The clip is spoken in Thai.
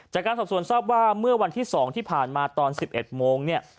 จากการสอบสวนทราบว่าเมื่อวันที่๒ที่ผ่านมาตอน๑๑โมงเนี่ย